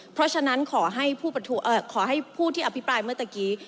เพราะฉะนั้นขอให้ผู้ที่อภิปรายเมื่อตะกี้